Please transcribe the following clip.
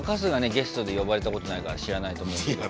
ゲストで呼ばれたことないから知らないと思うけど。